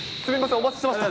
お待ちしてました。